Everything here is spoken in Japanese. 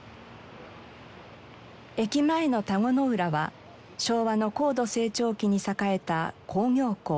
駅前の田子の浦は昭和の高度成長期に栄えた工業港。